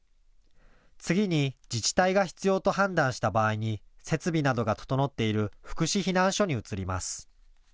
次に自治体が必要と判断した場合に設備などが整っている福祉避難所に移ります。